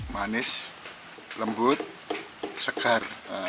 manis lembut segar